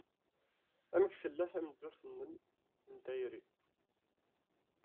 Amek tella tmeddurt-nnem n tayri?